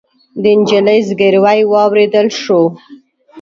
د نجلۍ زګيروی واورېدل شو.